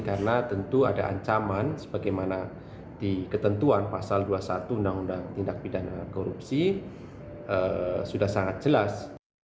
karena tentu ada ancaman sebagaimana di ketentuan pasal dua puluh satu undang undang tindak pidana korupsi sudah sangat jelas